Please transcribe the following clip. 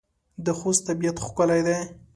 د خوست طبيعت ښکلی دی.